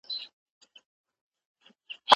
کینې لیرې کول دي.